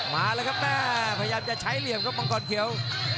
มาแล้วครับแม่พยายามจะใช้เหลี่ยมครับมังกรเขียว